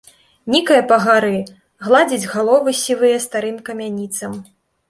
Нікае па гары, гладзіць галовы сівыя старым камяніцам.